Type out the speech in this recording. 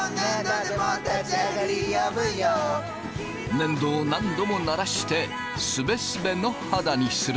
粘土を何度もならしてすべすべの肌にする。